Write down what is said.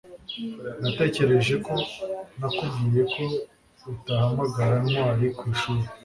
Natekereje ko nakubwiye ko utahamagara Ntwali ku ishuri